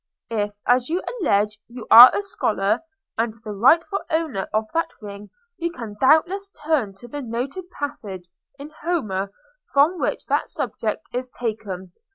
If, as you allege, you are a scholar, and the rightful owner of that ring, you can doubtless turn to the noted passage in Homer from which that subject is taken.